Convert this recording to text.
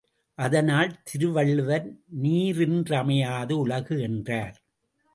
அதனால் திருவள்ளுவர் நீரின்றமையாது உலகு என்றார்.